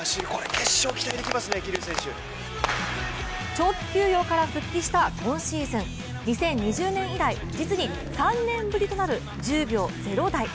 長期休養から復帰した今シーズン、２０２０年以来、実に３年ぶりとなる１０秒０台。